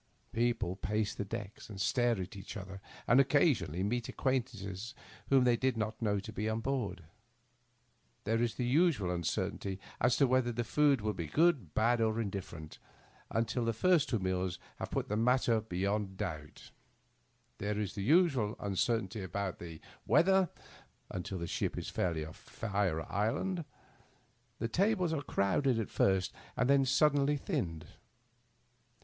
People pace the decks and stare at each other, and occasionally meet acquaintances whom they did not know to be on board « There is the usual uncer tainty as to whether the food will be good, bad, or indif ferent, until the first two meals have put the matter beyond a doubt ^ there is the usual uncertainty about Digitized by VjOOQIC 24 THE UPPER BERTH. the weather, tmtil the ship is fairly off Fire Island. The tables are crowded at first, and then suddenly thinned.